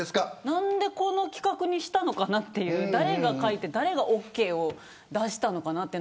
なんでこの企画にしたのかなって誰が書いて誰がオーケーを出したのかなって。